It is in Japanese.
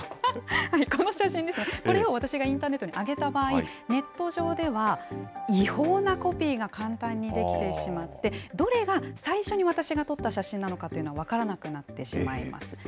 この写真ですね、これを私がインターネットに上げた場合、ネット上では違法なコピーが簡単にできてしまって、どれが最初に私が撮った写真なのかというのは、分からなくなってしまいます。